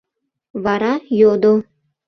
Вара йодо: